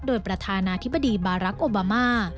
โดยประธานาธิบดีบารักษ์โอบามา